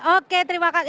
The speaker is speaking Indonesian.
oke terima kasih